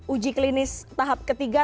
uji klinis tahap ketiga